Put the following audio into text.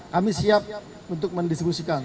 kami siap untuk mendistribusikan